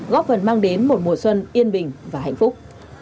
góp phần mang đến một mùa xuân yên bình và hạnh phúc